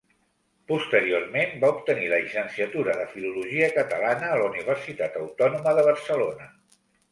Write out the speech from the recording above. Posteriorment va obtenir la llicenciatura de Filologia Catalana a la Universitat Autònoma de Barcelona.